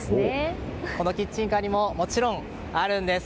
このキッチンカーにももちろんあるんです。